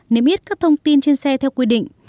niêm yết các thông tin trên xe theo quy định